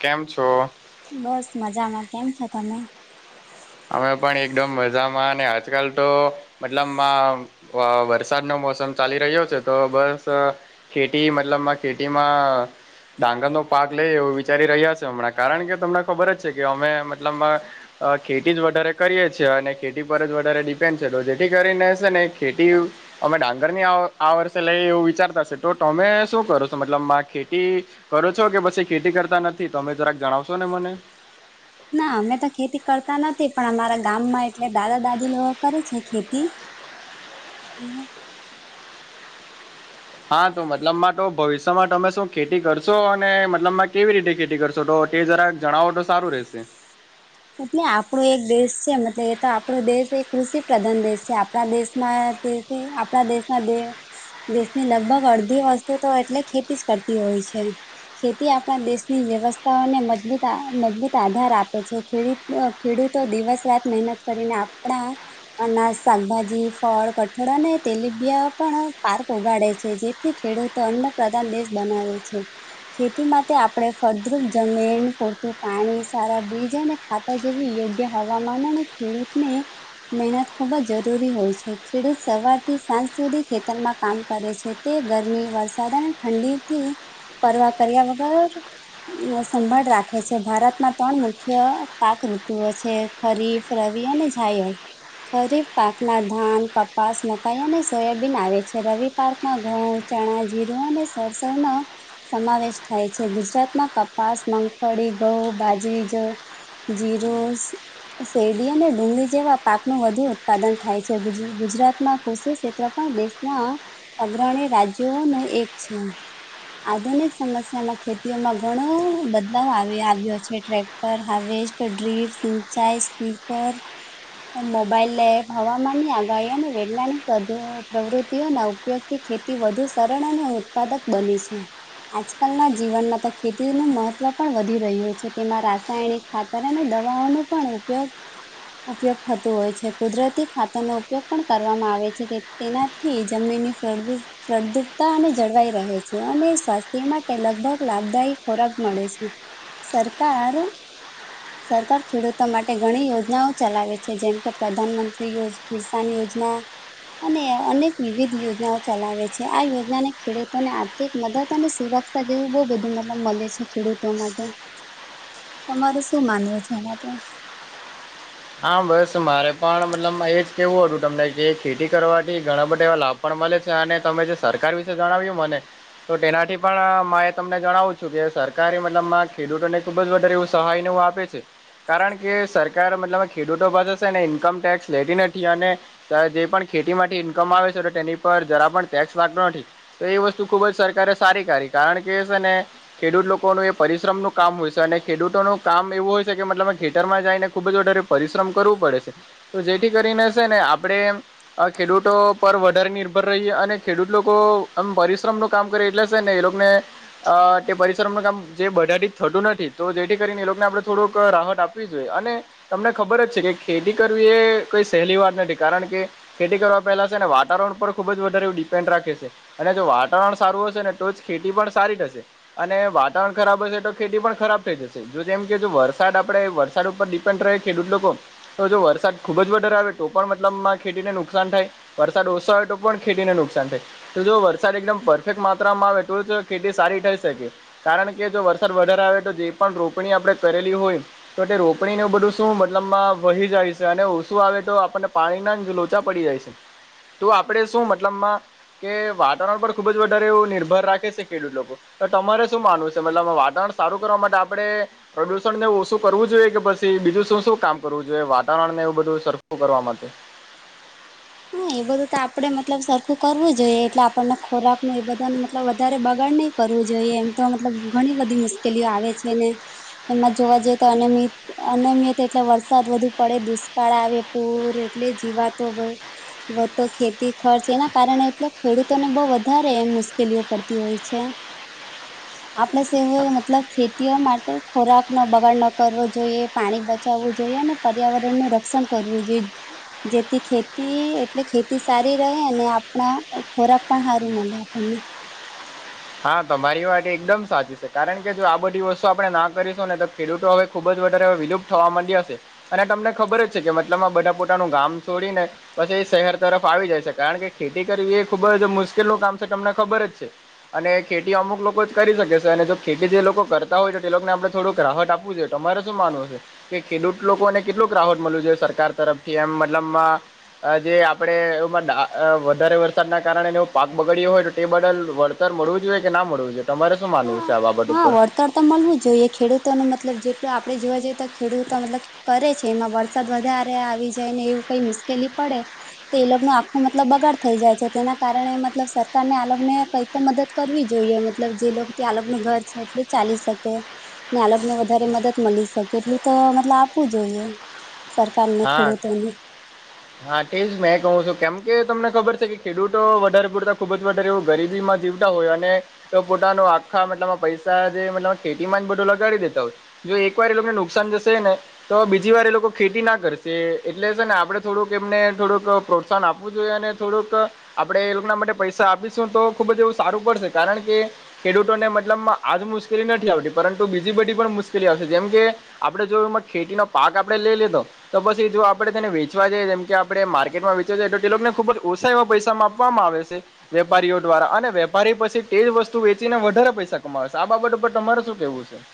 કેમ છો? બસ મજામાં કેમ છો તમે? અમે પણ એકડમ મજામાં અને આજકાલ ટો મતલબમાં વા વરસાદ નો મોસમ ચાલી રહ્યો છે તો બસ ખેટી મતલબમાં ખેટીમાં ડાંગરનો પાક લઈ એવું વિચારી રહ્યા છે હમણાં કારણ કે તમને ખબર જ છે કે અમે મતલબમાં ખેટી જ વધારે કરીએ છીએ અને ખેટી પર જ વધારે ડિપેન્ડ છે તો જેથી કરીને શેને ખેટીવ અમે ડાંગર ની આવ આ વર્ષે લઈ એવું વિચારતાશે ટો ટમે શું કરો છો મતલબમા ખેટી કરો છો કે પછી ખેટી કરતા નથી તમે જરાક જણાવશો ને મને ના અમે ત ખેતી કરતા નથી પણ અમારા ગામમાં એટલે દાદા-દાદી લો કરે છે ખેતી [inaudible] [unintelligible] હા તો મતલબમાં ટો ભવિષ્યમાં તમે શું ખેટી કરશો અને મતલબમાં કેવી રીતે ખેટી કર ટો ટે જરાક જણાવો તો સારું રેશે. એટલે આપડો એક દેશ છે મતલબ એ તો આપડો દેશ એક કૃષિ પ્રધાન દેશ છે આપણા દેશમાં તે તે આપણા દેશના દે દેશની લગભગ અડધી વસ્તુ તો એટલે ખેતી જ કરતી હોય છે. ખેતી આપણા દેશની વ્યવસ્થાઓને મજબૂતા મજબૂત આધાર આપે છે. ખેડીત ખેડૂતો દિવસ રાત મહેનત કરીને આપડા અનાજ શાકભાજી ફળ કઠોળ અને તેલીબિયા પણ પાર્ક ઉગાડે છે જે થી ખેડૂતો અન્ન પ્રધાન દેશ બનાવે છે. ખેતી માતે આપડે ફળદ્રુપ જમીન પૂરતું પાણી સારા બીજ અને ખાતા જેવી યોગ્ય હવામાનોને ખેડૂતને મેહનત ખૂબ જ જરૂરી હોય છે, ખેડૂત સવારથી સાંજ સુધી ખેતરમાં કામ કરે છે. તે ગરમી વરસાદ અને ઠંડી થી પરવા કર્યા વગર વ સંભાળ રાખે છે ભારતના તણ મુખ્ય પાક ઋતુઓ છે ખરીફ, રવિ અને ઝાયળ ખરીફ પાક ના ધાન કપાસ, મકાઈ અને સોયાબીન આવે છે રવિ પાર્ક માં ઘઉં, ચણા, જીરું અને સરસવ નો સમાવેશ થાય છે ગુજરાતમાં કપાસ મગફળી ઘઉ બાજરી જ જીરોસ શેરડી અને ડુંગળી જેવા પાકનું વધુ ઉત્પાદન થાય છે ગુજ ગુજરાતમાં કુષિ ક્ષેત્ર પણ દેશ માં અગ્રણી રાજ્યો નો એક છે. આધુનિક સમસ્યામાં ખેતીઓમાં ઘણો બદલાવ આવ્ય આવ્યો છે ટ્રેક્ટર હાર્વેસ્ટ તો ડ્રીવ સિંચાઈ સ્લીપર મોબાઈલ લે હવામાનની આગાહી અને વૈજ્ઞાનિક પ્રધ પ્રવૃત્તિઓના ઉપયોગ થી ખેતી વધુ સરળ અને ઉત્પાદક બની છે. આજકાલના જીવનમાં તો ખેતીનું મહત્ત્વ પણ વધી રહ્યું છે તેમાં રાસાયણિક ખાતર અને દવાઓ નો પણ ઉપયોગ ઉપયોગ થતું હોય છે કુદરતી ખાતર નો ઉપયોગ પણ કરવામાં આવે છે તે તેનાથી જમીની ફળદૂપ સળદુપતા અને જળવાઈ રહે છે અને સ્વાસ્થ્ય માટે લગભગ લાભદાયી ખોરાક મળે છે. સરકાર સરકાર ખેડૂતો માટે ઘણી યોજનાઓ ચલાવે છે. જેમકે પ્રધાનમંત્રી યોજ કિસાન યોજના અને અનેક વિવિધ યોજનાઓ ચલાવે છે, આ યોજનાને ખેડૂતોને આ તે એક મદદ અને સુરક્ષા જેવું બો બધું મતલબ મલે છે ખેડૂતો માટે તમારું શું માનવું છે એના પર હા બસ મારે પણ મતલબમાં એજ કેવું હટુ તમને કે ખેટી કરવાથી ઘણા બધા એવા લાભ પણ મલે છે અને તમે જે સરકાર વિશે જણાવ્યું મને તો ટેનાથી પણ મા એ તમને જણાવું છું કે સરકારી મતલબમાં ખેડૂતોને ખૂબ જ વધારે એવું સહાય ને એ આપે છે કારણ કે સરકાર મતલબ, ખેડૂતો પાસે હ છે ને ઇન્કમ ટેક્સ લેતી નથી અને, ત જે પણ ખેતી માટેથી ઈન્કમ આવે છે તો તેની પર જરા પણ ટેક્સ લાગતો નથી. તો એ વસ્તુ ખુબ જ સરકારે સારી કરીી કારણ કે છે ને, ખેડૂત લોકોનું એ પરિશ્રમનું કામ હોય છે અને ખેડૂતોનું કામ એવું હોય છે કે મતલબ ખેતરમાં જઈને ખુબ જ ઓરે, પરિશ્રમ કરવું પડે છે તો જેથી કરીને છે ને આપણેે, આ ખેડૂતો પર વધારે નિર્ભર રહી. અને ખેડૂત લોકો એમ પરિશ્રમ નો કામ કરી એટલે સર ને એ લોકો ને, અ તે પરિશ્રમનું કામ જે બધાથી જ થતું નથી તો જેથી કરીને એ લોકોને આપણે થોડુંક રાહત આપવી જોઈએ અને, તમને ખબર જ છે કે ખેતી કરવી એ કઈ સહેલી વાત નથી કારણ કે, ખેતી કરવા પહેલા છે ને વાતાવરણ ઉપર ખુબ જ વધારે ડિપેન્ડ રાખે છે. અને જો વાતાવરણ સારું હશે ને તો જ ખેતી પણ સારી થશે. અને વાતાવરણ ખરાબ હશે તો ખેતી પણ ખરાબ થઈ જશે જો તેમમ કેહેજ વરસાદ આપડે વરસાદ ઉપર, ત્ રહે ખેડૂત લોકો તો જો વરસાદ ખુબ જ વધારે આવે તો પણ મતલબમાં ખેતીને નુકસાન થાય. વરસાદ ઓછો હોય તો પણ ખેતીને નુકસાન થાય. તો જો વરસાદ એકદમ પરફેક્ટ માત્રામાં આવે તો ખેતી સારી થઈ શકે. કારણ કે જો વરસાદ વધારે આવે તો જે પણ રોપણી આપણે કરેલી હોય તો તે રો, આપણી બધું શું મતલબમાં વહી જાય છે અને ઓછું આવે તો આપણને પાણીના જ લોચા પડી જાય છે. તો આપણેે શું મતલબમાં, કે વાતાવરણ પર ખુબ જ વધારે એવું નિર્ભર રાખે છે ખેડૂત લોકો, તો તમારે શું માનવું છે મતલબ વાતાવરણ સારું કરવા માટે આપણે પ્રદુષણને ઓછું કરવું જોઈએ કે બસ, બીજું શું શું કામ કરવું જોઈએ વાતાવરણ ને એવું બધું સરખું કરવા માટે, હા એ બધું તો આપડે મતલબ સરખું કરવું જોઈએ એટલે આપણને ખોરાક નું એ બધા મતલબ વધારે બગાડ નહી, કરવું જોઈએ એમ તો મતલબ ઘણી બધી મુશ્કેલીઓ આવે છે ને, એમાં જોવા જઈએ તો અનમ અનયમિત એટલે વરસાદ વધુ પડે દુષ્કાળ આવે, પર એટલે જીવાતો, વધતો ખેતી ખર્ચ એના કારણે એટલે ખેડૂતોને બહ વધારે મુશ્કેલીઓ પડતી હોય છે. [inaudible] આપણે સ મતલબ ખેતીઓ માટે ખોરાક નો બગાડ ન કરવો જોઈએ પાણી બચાવવું જોઈએ અને, પર્યાવરણનું રક્ષણ કરવું જોઈએ જેથી, ખેતી એટલે ખેતી સારી રહે આપણા ખોરાક પણ સારું મળે આપણને હા તમારી વાત એકદમ સાચી છે કારણ કે જો આ બધી વસ્તુ આપણે ના કરીશું ને. ખેડૂતો હવે ખુબ જ વધારે વિલુપ્ત થવા માંડી્યા હશે. અને તમને ખબર જ છે કે મતલબ આ બધા પોતાનું ગામ છોડીને, પછી એ શહેર તરફ આવી જાય છે કારણ કે ખેતી કરવી એ ખુબ જ મુશ્કેલ નું કામ છે તમને ખબર જ છે. અને ખેતી અમુક લોકો જ કરી શકે છે અને જો ખેતી જે લોકો કરતા હોય છે તો તે લોકોને આપણે થોડુંક રાહત આપવું જોઈએ. તમારે શું માનવું છે કે ખેડૂત લોકોને કેટલુંક રાહત, મળવી જોઈએ સરકાર તરફથી એમ મતલબમાં, જે આપડણે એમાં વધારે વરસાદના કારણે પાક બગડ્યો હોય તો તે બદલ. સર મળવું જોઈએ, કે ના મળવું જોઈએ તમારે શું માનવું છે આ બાબત ઉપર? તર તો મળવું જ જોઈએ ખેડૂતો ન મતલબ જેટલ આપણે જોવા જઈએ તો ખેડૂત મતલબ કરે છે એમાં વરસાદ વધારે આવી જાય ને એવું કઈ મુશ્કેલી પડે. તે એ લોગનું આખું મતલબ બગાડ થઈ જાય છે તેના કારણે મતલબ સરકારને આને કઈ તો મદદ કરવી જોઈએ મતલબ જે લોકો ત્યાં લોકોનું ઘર છે એટલે ચાલી શકે, ને અલગને વધારે મદદ મળી શકે એટલું તો મતલબ આપવું જોઈએ. સરકાર ને ખેડૂતોને હ [unintelligible] હા તે જ મેં કહું છું કેમ કે તમને ખબર છે કે ખેડૂતો વધારે પૂરતા ખુબ જ વધારે એવું ગરીબીમાં જીવ, હોય અને પોતાનું આખા મતલબમાં પૈસા જે મતલ ખેતીમાં જ બધું લગાડી દેતા હોય, જો એક વાર એ લોકોને નુકસાન જશે ને તો બીજી વાર એ લોકો ખેતી નાખ, કરશે એટલે સર ને આપણે થોડુંક એમને થોડુંક પ્રોત્સાહન આપવું જોઈએ અને થોડુંક, આપડણે એ લોકોના માટે પૈસા આપીશું તો ખુબ જ એવું સારું પડશે કારણ કે, ખેડૂતોને મતલબમાં આજ મુશ્કેલી નથી આવતી, પરંતુ બીજી બધી પણ મુશ્કેલી આવશે જેમ કે આપડે જોય એમાં ખેતી નો પાક આપડે લઈ લીધો. તો પછી જો આપણે તેને વેચવા જઈએ જેમ કે આપણે માર્કેટમાં વેચવા જઈએ, તો તે લોકોને ખુબ જ ઓછા એવા પૈસા માપવામાં આવે છે. વેપારીઓ દ્વારા અને વેપારી પછી તેજ વસ્તુ વેચીને વધારે પૈસા કમાવશે, આ બાબત ઉપર તમારે શું કેવું છે?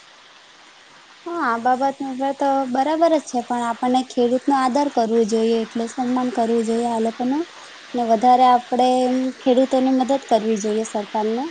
હા, આ બાબત તો બરાબર જ છે પણ આપણને ખેડૂત નો આદર કરવો જોઈએ, એટલે સન્માન કરવું જોઈએ, આ લોકોનું-' ને વધારે આપડે ખેડૂતોની મદદ કરવી જોઈએ, સરકાર ને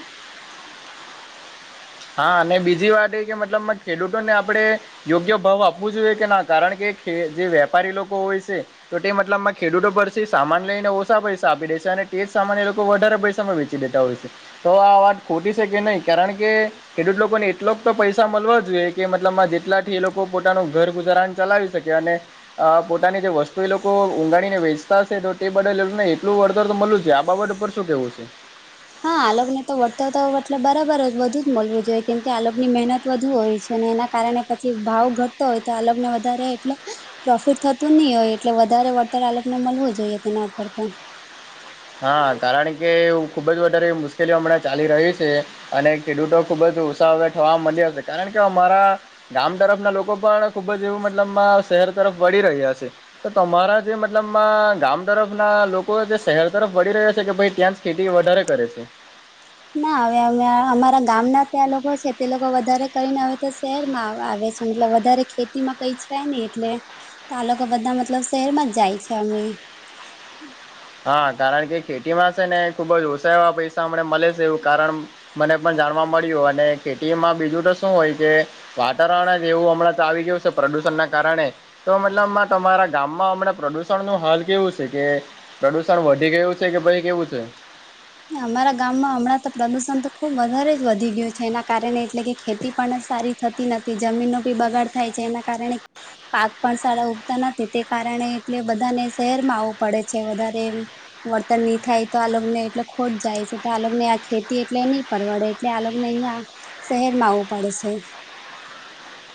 હા, અને બીજી વાત એ કે મતલબ ખેડૂતોને આપણે યોગ્ય ભાવ આપવો જોઈએ, કે ના કારણ કે જે વેપારી લોકો હોય છે. તો તે મતલબમાં ખેડૂતો પરથી સામાન લઈને ઓછા પૈસા આપી દેશે અને તે જ સામાન એ લોકો વધારે પૈસામાં વેચે ડેટા હોય છે, તો આ વાત ખોટી છે કે નહીં કારણ કે ખેડૂત લોકોને એટલોક તો પૈસા મળો જોઈએ કે મતલબમાં જેટલા થી એ લોકો પોતાનું ઘર ગુજારાન ચલાવી શકે અને અ પોતાની જે વસ્તુ એ લોકો ઊંગાડીને વેચતા હશે તો તે બા ને એટલું વળતર મલવું જ જોઈએ આ બાબત ઉપર શું કેવું છે, હા આલોગને તો વળતર તો હોય એટલે બરાબર વધુ જ મળવું જોઈએ કેમકે આલોગ ની મહેનત વધુ હોય છે. એના કારણે પછી ભાવ ઘટતો હોય, તો આ લોગને વધારે એટલે પ્રોફિટ થતું નહી હોય એટલે વધારે વળતર આલોકને મળવું જોઈએ, તેના ઉપર તો-' હા, કારણ કે ખુબ જ વધારે મુશ્કેલીઓ હમણાં ચાલી રહી છે, અને ખેડૂતો ખુબ જ ઉત્સાહ થવા મી આવશે, કારણ કે અમારા ગામ તરફ ના લોકો પણ ખુબ જ એવું મતલબમાં શહેર તરફ વળી રહ્યા છે, તો તમારા જે મતલબમાં ગામ તરફ ના લોકો જે શહેર તરફ વળી રહ્યા છે, કે ભાઈ ત્યાં જ ખેતી વધારે કરે છે. ના હવે અ અમારા ગામ ના ત્યાં લોકો છે, તે લોકો વધારે કરીને હવે તો શહેરમાં આવે છે, મતલબ વધારે ખેતીમાં કઈ છે, નઈ એટલે તો આ લોકો બધા મતલબ શહેરમાં જાય છે, એમને હા, કારણ કે ખેતીમાં છે ને ખુબ જ ઓછા એવા પૈસા અમને મળે છે, એવું કારણ મને પણ જાણવા મળ્યું અને ખેતીમાં બીજું તો શું હોય કે વાતાવરણ જ એવું હમણાં તો આવી ગયું છે પ્રદુષણ ના કારણે તો મતલબમાં તમારા ગામમાં હમણાં પ્રદુષણ નું હલ કેવું છે કે, પ્રદુષણ વધી ગવું છે કે ભય કેવું છે, અમારા ગામમાં હમણાં તો પ્રદુષણ તો ખુબ વધારે જ વધી ગયું છે, એના કારણે એટલે કે ખેતી પણ સારી થતી નથી જમીનનો બી બગાડ થાય છે, એના કારણે પાક પણ સારા ઉગતા નથી, તે કારણે એટલે બધાને શહેરમાં આવવું પડે છે, વધારે વર્તન નહી થાય તો આ લગ્નને એટલે ખોટ જાય છે, તો આગને આ ખેતી એટલે નહી પરવડે એટલે આગ ને અહિયા શહેરમાં આવવું પડે છે,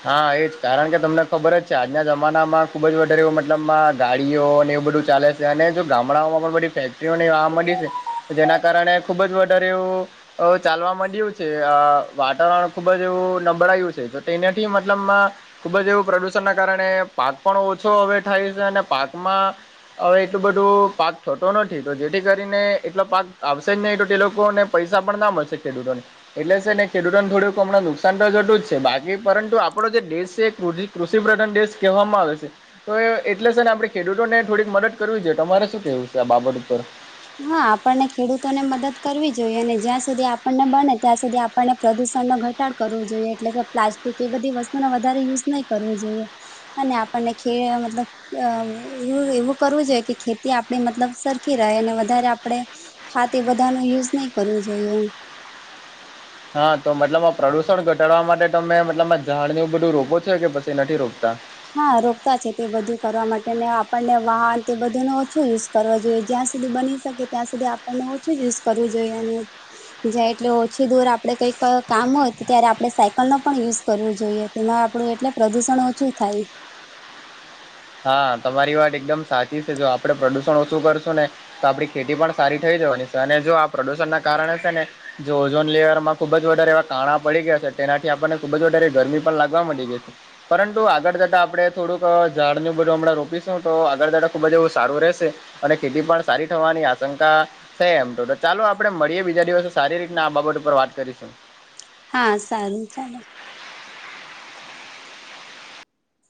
હા એજ કારણ કે તમને ખબર જ છે, આજના જમાનામાં ખુબ જ વધારેવ મતલબમાં ગાડીઓ અને એવું બધું ચાલે અને જો ગામડાઓમાં પણ બધી ફેક્ટરીઓની આ મળી છે જેના કારણે ખૂબ જ વધારે એવું અ ચાલવા માંડ્યું છે, વાતાવરણ ખુબ જ એવું નબળાયું છે તો તેને એ મતલબમાં ખુબ જ એવું પ્રદુષણના કારણે પાક પણ ઓછો હવે થાય છે, અને પાકમાં હવે એટલું બધું પાક થતો નથી તો જેથી કરીને એટલો પાક આવશે જ નહી તો તે લોકોને-' પૈસા પણ ના મળશે ખેડૂતોને એટલે છે, ને ખેડૂતોને થોડુંક હમણાં નુકસાન તો થતું જ છે, બાકી પરંતુ આપડો જે દેશ છે એ કૃષિ પ્રધાન દેશ કહેવામાં આવે છે. તો એટલે સેને આપણે ખેડૂતોને થોડીક મદદ કરવી જોઈ તમારે શું કેવું છે આ બાબત ઉપર. હા આપણને ખેડૂતોને મદદ કરવી જોઈએ અને જ્યાં સુધી આપણને બને ત્યાં સુધી આપ આપણ ને પ્રદુષણનો ઘટાડ કરવો જોઈએ એટલે કે પ્લાસ્ટિક એ બધી વસ્તુનો વધારે યુઝ નહી કરવું જોઈએ. અને આપણને ખે મતલબ અ એ એવું કરવું જોઈએ કે ખેતી આપે મતલબ સરખી રહે અને વધારે આપણે ખાતે બધા નુ યુઝ નહી કરવું જોઈએ એમ. હા તો મતલબ આ પ્રદૂષણ ઘટાડવા માટે તમે મતલબમાં ઝાડનું બધું રોપો છો કે પછી નથી રોપતા? હા રોકતા છે તે બધું કરવા માટે ને આપણને વાહન તે બધું નો ઓછો યુઝ કરવા જોઈએ જ્યાં સુધી બની શકે ત્યાં સુધી આપણને ઓછું જ યુઝ કરવું જોઈએ અને જાય એટલે ઓછી દૂર આપડે કઈક કામ હોત ત્યારે આપણે સાયકલ નો પણ યુઝ કરવો જોઈએ. તેમાં આપણું એટલે પ્રદુષણ ઓછું થાય. હા તમારી વાત એકદમ સાચી છે જો આપડે પ્રદુષણ ઓછું કરશું ને તો આપડી ખેતી પણ સારી થઈ જવાની છે અને જો આ પ્રદુષણ ના કારણે છે ને જો ઓઝોન લેવરમાં ખુબ જ વધારે એવા કાણા પડી ગયા છે તેનાથી આપણને ખુબ જ વધારે ગરમી પણ લાગવા મડી છે. પરંતુ આગળ જતા આપડે થોડુંક ઝાડનું બધું હમણાં રોપીશું તો આગળ જતા ખૂબ જ એવું સારું રહેશે. અને ખેતી પણ સારી થવાની આશંકા સે એમ તો તો ચાલો આપડે મળીએ બીજા દિવસે સારી રીતના આ બાબત ઉપર વાત કરીશું. હા સારું ચાલો.